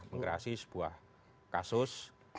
mengkreasi sebuah kasus